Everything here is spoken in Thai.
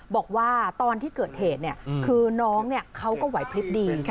บอกว่าตอนที่เกิดเหตุคือน้องเขาก็ไหวพลิบดี